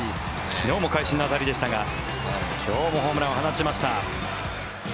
昨日も会心の当たりでしたが今日もホームランを放ちました。